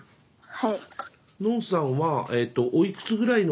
はい。